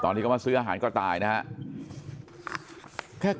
ตอนนี้ก็มาซื้ออาหารก็ตายนะครับ